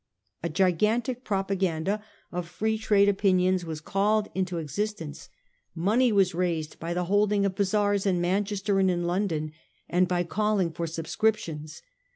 A gigantic propaganda of Free 834 A HISTORY OF OUR OWN TIMES. oh. rrv. Trade opinions was called into existence. Money was raised by the holding of bazaars in Manchester and in London, and by calling for subscriptions.